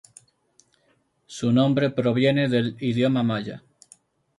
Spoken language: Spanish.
Su nombre proviene del idioma maya.